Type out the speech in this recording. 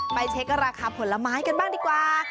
เช็คราคาผลไม้กันบ้างดีกว่า